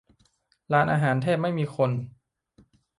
ร้านอาหารแทบไม่มีคน